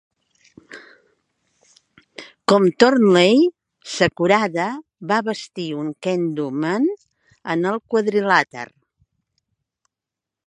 Com Thornley, Sakurada va vestir un Kendo men en el quadrilàter.